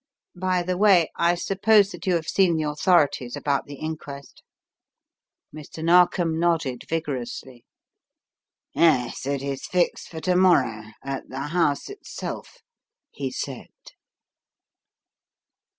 By the way, I suppose that you have seen the authorities about the inquest." Mr. Narkom nodded vigorously. "Yes, it is fixed for to morrow, at the house itself," he said.